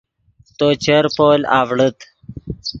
تو چر پول آڤڑیت